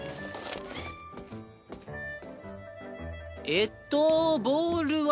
えっとボールは。